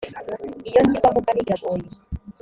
iyo ngirwamugani iragoye.